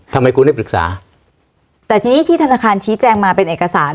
ทำไมคุณได้ปรึกษาแต่ทีนี้ที่ธนาคารชี้แจงมาเป็นเอกสาร